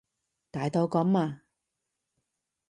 大到噉啊？